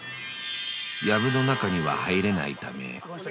［やぶの中には入れないため］